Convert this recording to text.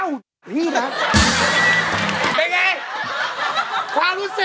เป็นไง